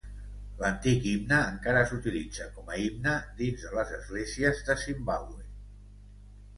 L'antic himne encara s'utilitza com a himne dins de les esglésies de Zimbabwe.